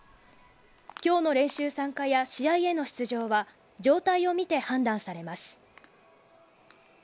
今日の練習参加や試合への出場は状態をみて判断されます。